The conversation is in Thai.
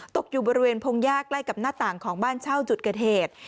ตกอยู่บริเวณพงยากใกล้กับหน้าต่างของบ้านเช่าจุดเกิดเหตุ